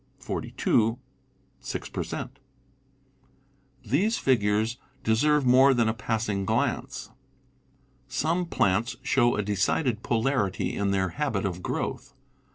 . 42 6% These figures deserve more than a passing glance. Some plants show a decided polarity in their habit of growth.